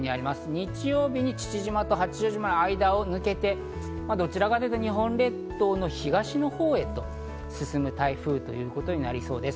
日曜日に父島と八丈島の間を抜けてどちらかというと日本列島の東のほうへと進む台風ということになりそうです。